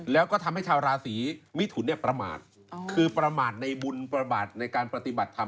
แล้วก็ทำให้ชาวราศีมิถุนเนี่ยประมาทคือประมาทในบุญประมาทในการปฏิบัติธรรม